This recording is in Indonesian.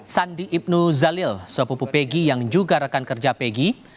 sandi ibnu zalil sepupu pegi yang juga rekan kerja peggy